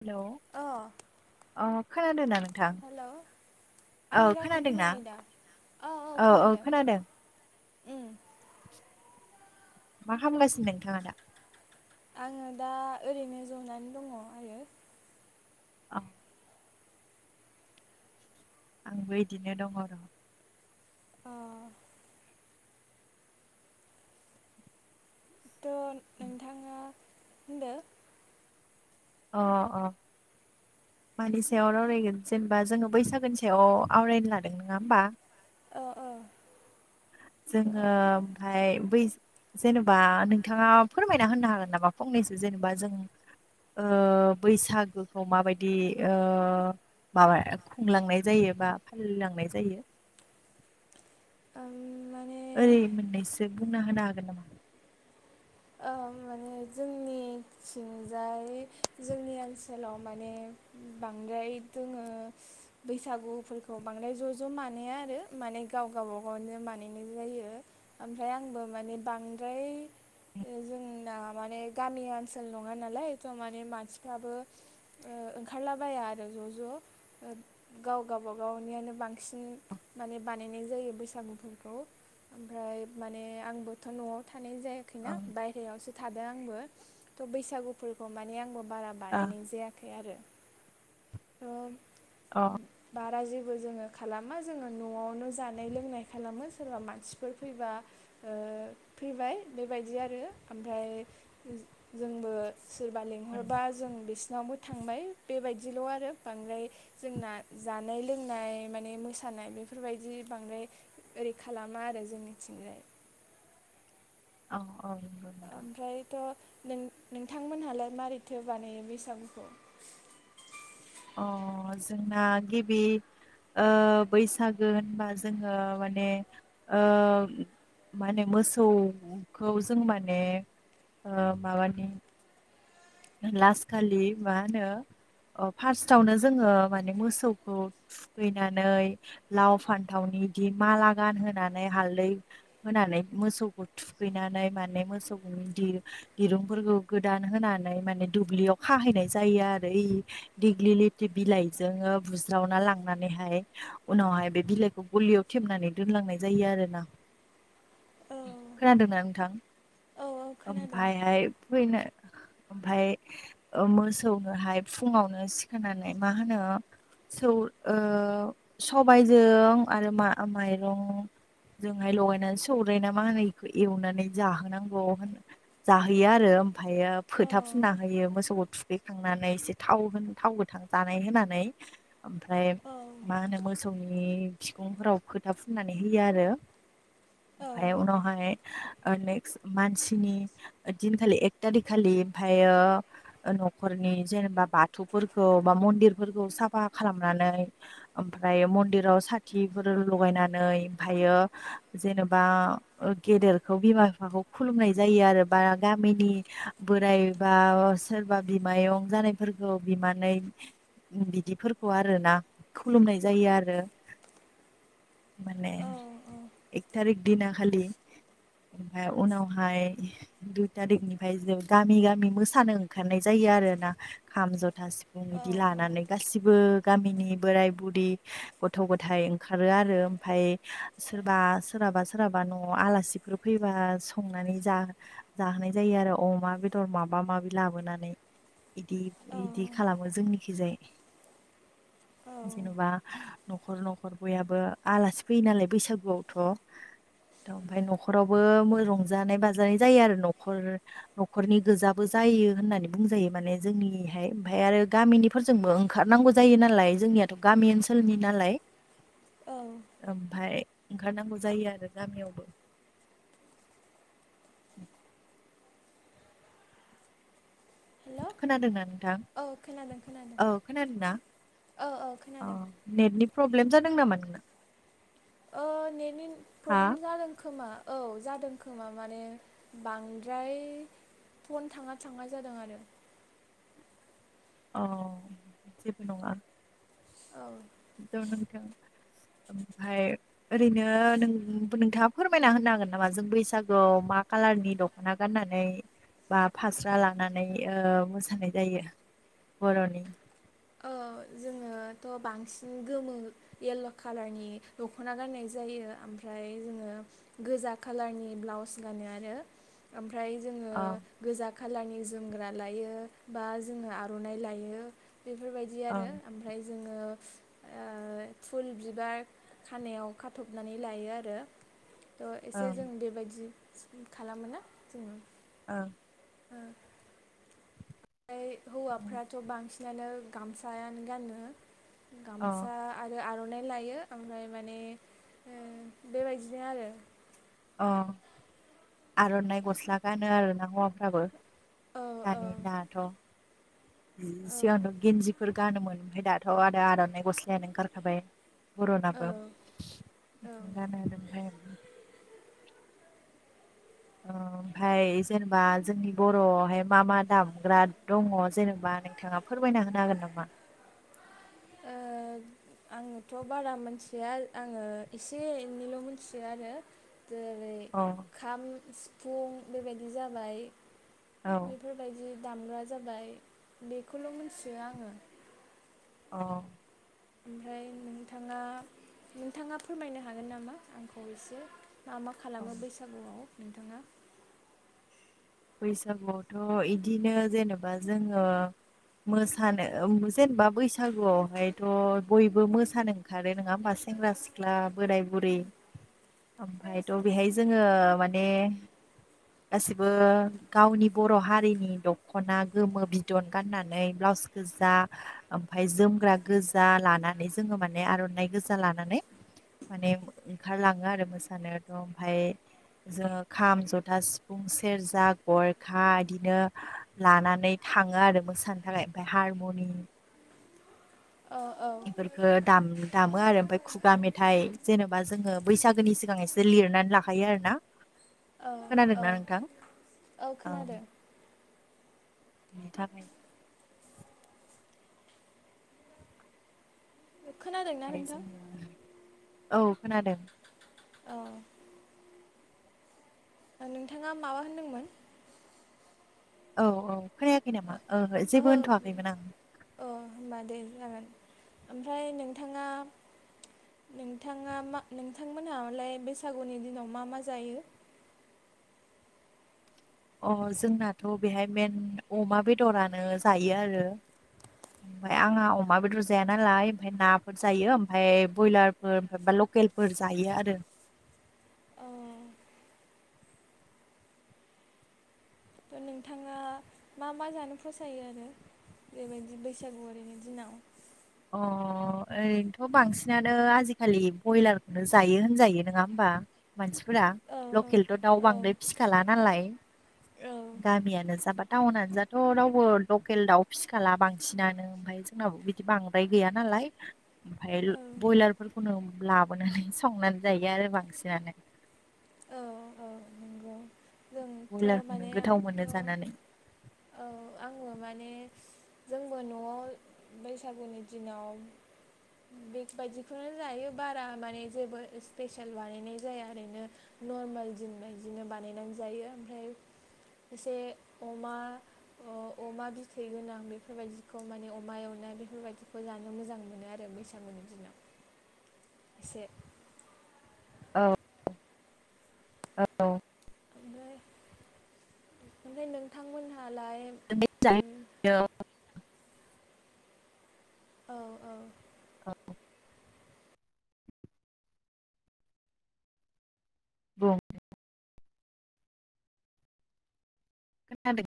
Hello अ अ खोनादोंना नोंथां हेलौ औ आंनि रावखौ खोनादोंना खोनाबाय दा औ औ खोनादों उम मा खालामगासिनो नोंथाङा दा? आङो दा ओरैनो जनानै दङ आरो औ। आंबो इदिनो दङ र' अह थ' नोंथाङा होनदो अह अह मानि सायाव रावरायगोन जेनेबा जोङो बैसागोनि सायाव आवरायनो लादों नङा होमबा? अह अह जोङो ओमफ्राय बै जेनेबा नोंथाङा फोरमायना होनो हागोन नामा फंनैसो जेनेबा जों ओ बैसागोखौ माबायदि ओ माबा खुंलांनाय जायो बा फालिलांनाय जायो। आं माने ओरै मोननैसो बुंना होनो हागोन नामा? माने जोंनिथिंजाय जोंनि ओनसोलाव माने बांद्राय जोङो बैसागुफोरखौ बांद्राय ज' ज' मानाया आरो माने गाव गावबागावनो बानायनाय जायो। ओमफ्राय आंबो माने बांद्राय जोंना माने गामि ओन्सोल नङा नालाय थ' माने मानसिफ्राबो ओ ओंखारलाबाया आरो ज' ज' गाव गावबागावनियानो बांसिन माने बानायनाय जायो बैसागुफोरखौ। ओमफ्राय माने आंबोथ' न'आव थानाय जायाखैना। ओं बायेरायावसो थादों आंबो, थ' बैसागुफोरखौ माने आंबो बारा ओ बानायनाय जायाखै आरो थ' अ बारा जेबो जोङो खालामा जोङो न'आवनो जानाय-लोंनाय खालामो सोरबा मानसिफोर फैबा ओ फैबाय बेबायदि आरो आरो ओमफ्राय जोंबो सोरबा ओं लिंहरबा जों बिसिनावबो थांबाय बेबायदिल' आरो बांद्राय जोंना जानाय-लोंनाय माने मोसानाय बेफोरबायदि बांद्राय ओरै खालामा आरो जोंनिथिंजाय औ औ। नोंथां ओमफ्रायथ' नों नोंथांमोनहालाय मारैथो बानायो बैसागुखौ। अ जोंना गिबि बैसागो होनबा जोङो माने ओ माने मोसौखौ जों माने ओ माबानि लास खालि मा होनो ओ फार्स्टआवनो जोङो माने मोसौखौ थुखैनानै लाव फान्थावनि दि माला गानहोनानै हालदै होनानै मोसौखौ थुखैनानै माने मोसौ दिर दिरुंफोरखौ गोदान होनानै माने दुब्लियाव खाहैनाय जायो आरो इ देग्लि लेथि बिलाइजोंओ बुज्रावना लांनानैहाय उनावहाय बे बिलाइखौ गलियाव थेबनानै दोनलांनाय जायो आरोना। औ खोनादोंना नोंथां औ खोनादों ओमफायहाय फैनो ओमफाय ओ-मोसौनोहाय फुङावनो सिखारांनानै मा होनो सौ सबायजों आरो मा माइरं जोंहाय लगायनानै सौरो ना मा होनोखौ एवनानै जाहोनांगौ जाहैयो आरो ओमफ्रायो औ फोथा फुनना होयो मोसौखौ थुखैखांनानै एसे थाव होन थाव गोथां जानाय होनानै ओमफ्राय औ मा होनो मोसौनि नि बिखुंफोराव खोथा फुननानै होयो आरो। औ ओमफ्राय उनावहाय ओ नेक्स्ट मानसिनि दिनखालि एक थारिख खालि ओमफ्राययो न'खरनि जेनेबा बाथौफोरखौ बा मन्दिरफोरखौ साफा खालामनानै ओमफ्राय मन्दिराव साथिफोर लगायनानै थायो जेनेबा गेदेरखौ बिमा-बिफाखौ खुलुमनाय जायो आरो बा गामिनि बोराइबा सोरबा बिमायं जानायफोरखौ बिमानै बिदिफोरखौ आरोना खुलुमनाय जायो आरो। माने औ एक थारिख दिना खालि ओमफ्राय उनावहाय दुइ तारिखनिफ्राय जों गामि गामि मोसानो ओखारनाय जायो आरोना खाम-जथा, सिफुं बिदि लानानै गासिबो गामिनि बोराय-बुरि गथ' गथाइ ओंखारो आरो ओमफाय सोरबा सोरहाबा सोरहाबा न'आव आलासिफोर फैबा संनानै जा जाहोनाय जायो आरो अमा बेदर माबा माबि लाबोनानै, बिदि इदि खालामो जोंनिखिजाय। औ जेनेबा न'खर न'खर बयाबो आलासि फैयो नालाय बैसागुआवथ' ओमफ्राय न'खरावबो रंजानाय बाजानाय जायो आरो न'खर नख न'खरनि गोजाबो जायो होननानै बुंजायो माने जोंनिहाय ओमफ्राय आरो गामिनि फोरजोंबो ओंखारनांगौ जायो नालाय जोंनियाथ' गामि ओनसोल ओनसोलनि नालाय, औ ओमफ्राय ओंखारनांगौ जायो आरो गामियावबो। हेल' खोनादोंना नोंथां? औ खोनादों खोनादों औ खोनादोंना? औ औ। खोनादों नेटनि प्रब्लेम जादों नामा नोंना? ओ नेटनि हा प्रब्लेम जादों खोमा। औ जादों खोमा माने बांद्राय फन थाङा थाङा जादों आरो। अ जेबो नङा। औ। थ नोंथां ओमफाय ओरैनो नों-नोंथाङा फोरमायना होनो हागोन नामा जों बैसागुआव मा कालारनि द ख'ना गाननानै बा फास्रा लांनानै ओ मोसानाय जायो? बर'नि ओ जोङोथ' बांसिन गोमो येल्ल' कालारनि दख'ना गाननाय जायो। ओमफ्राय जोङो गोजा कालारनि ब्लाउस गानो आरो। ओमफ्राय जोङो अ गोजा कालारनि जोमग्रा लायो बा जोङो आर'नाइ लायो। बेफोरबायदि आरो ओं ओमफ्राय जोङो ओ फुल बिबार खानायाव खाथ'बनानै लायो आरो। ओ एसे जों ओं बेबायदि स्पिं खालामोना जोङो। ओं। ओ ओमफ्राय हौवाफ्राथ' बांसिनानो गामसायानो गानो। अ गामसा आरो आर'नाइ लायो ओमफ्राय माने ओ बेबायदिनो आरो। अ आर'नाइ गस्ला गानो आरोना हौवाफ्राबो। औ औ दानि दाथ' औ सिगांथ गेन्जिफोर गानोमोन ओमफ्राय दाथ' आरो आर'नाइ गस्लायानो ओंखारखाबाय औ बर'नाबो औ ओ बिदि गानो ओमफाय अ ओमफ्राय जेनेबा जोंनि बर'आवहाय मा मा दामग्रा दङ जेनेबा नोंथाङा फोरमायना होनो हागोन नामा? ओ आंङोथ' बारा मोन्थिया आङो एसे एनैल' मोन्थियो आरो। जेरै अ खाम, सिफुं बेबायदि जाबाय। औ बेफोर बायदि दामग्रा जाबाय बेखौल' मोन्थियो आङो। अ ओमफ्राय नोंथाङा नोंथाङा फोरमायनो हागोन नामा आंखौ एसे मा मा औ खालामो बैसागुआव नोंथाङा? बैसागुआवथ' इदिनो जेनेबा जोङो मोसानो जेनेबा बैसागुआवहायथ' बयबो मोसानो ओंखारो नङा होमबा सेंग्रा-सिख्ला, बोराय बुरि ओमफायथ' बेहाय जोङो माने गासिबो गावनि बर' हारिनि दख'ना गोमो बिदन गाननानै ब्लाउस गोजा ओमफाय जोमग्रा गोजा लानानै जोङो माने आर'नाइ गोजा लानानै माने ओंखार लाङो आरो मोसानोथ'। ओमफाय जोङो खाम, जथा, सिफुं, सेरजा, गरखा इदिनो लानानै थाङो आरो मोसानो थाखाय ओमफाय हारमुनि औ औ। ओह दाम दामो आरो ओमफ्राय खुगा मेथाइ जेन'बा जोङो बैसागोनि सिगां एसे लिरनानै लाखा खायो आरोना औ खोनादोंना औ नोंथां? औ ओं खोनादों बिनि थाखाय खोनादोंना ओमफ्राय नोंथां जोङो औ खोनादों औ ओं नोंथाङा माबा होनदोंमोन औ औ खोनायाखै नामा? जेबो ओहो होनथ'वाखैमोन आं अ होनबा दे जागोन ओमफ्राय नोंथाङा नोंथाङा मा नोंथांमोनहालाय बैसागुनि दिनाव मा मा जायो? अ जोंनाथ' बेहाय मेन अमा बेदरानो जायो आरो ओमफफ्राय आंहा अमा बेदर जाया नालाय ओमफफ्राय नाफोर जायो ओमफ्राय ब्रयलारफोर ओमफ्राया लकेल फोर जायो आरो। औ थ' नोंथाङा मा मा जानो फसायो आरो बेबायदि बैसागुवारि ओरैनो दिनाव अ ओरैनोथ' बांसिनानो आजिखालि ब्रयलारखौनो जायो होनजायो नङा होमबा मानसि फोरा औ लकेलथ' दाउ औ बांद्राय फिखाला नालाय औ गामियानो जााबा टाउनानो जाथ' रावबो लकेल दाउ फिसिखाला बांसिनानो ओमफ्राय जोंनाबो बिदि बां द्राय गैया ना लाय ओमफफ्राय ब्रयलारफोरखौनो लाबोनानै संनानै जायो आरो बांसिनानो औ औ नंगौ थ' बयलारखौनो माने गोथाव आंथ' मोनो जानानै औ आङो माने जोंबो न'आव बैसागुनि दिनाव बेग बायदिखौनो जायो बारा माने जेबो स्पेसियेल बानायनाय जाया ओरैनो नर्मेल दिन बायदिनो बानायनानै जायो ओमफ्राय एसे अमा अह अमा बिथै गोनां बेफोरबायदिखौ माने अमा एवनाय बेफोरबायदिखौ जानो मोजां मोनो आरो बैसोर [inaudible] एसे औ औ ओमफ्राय ओमफ्राय नोंथांमोनहालाय ओम औ औ बुं खोनादों